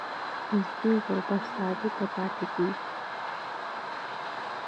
نسبي غربت ثابت پاتې کیږي.